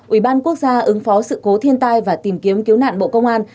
ubnd quốc gia ứng phó sự cố thiên tai và tìm kiếm cứu nạn bộ công an